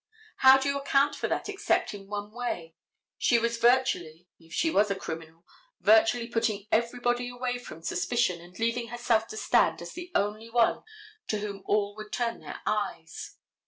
How do you account for that except in one way? She was virtually, if she was a criminal, virtually putting everybody away from suspicion and leaving herself to stand as the only one to whom all would turn their eyes.